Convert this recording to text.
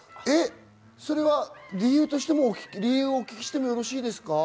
それは理由として、お聞きしてもよろしいですか？